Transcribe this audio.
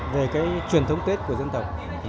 về truyền thống tết của dân tộc